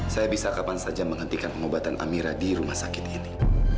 saya bisa kapan saja menghentikan pengobatan amira di rumah sakit ini